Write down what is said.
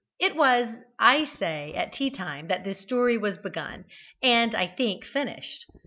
It was, I say, at tea time that this story was begun, and, I think, finished.